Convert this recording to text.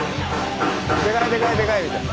でかいでかいでかいみたいな。